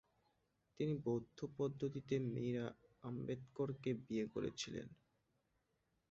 তিনি বৌদ্ধ পদ্ধতিতে মীরা আম্বেদকরকে বিয়ে করেছিলেন।